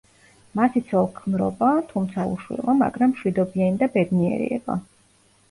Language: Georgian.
მათი ცოლ-ქმრობა, თუმცა უშვილო მაგრამ მშვიდობიანი და ბედნიერი იყო.